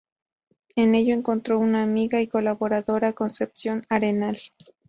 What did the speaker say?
En ello encontró una amiga y colaboradora, Concepción Arenal.